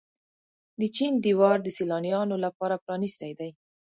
د چین دیوار د سیلانیانو لپاره پرانیستی دی.